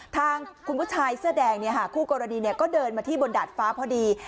ทางคุณผู้ชายเสื้อแดงคู่กรณีก็เดินมาที่บนดาดฟ้าพอดี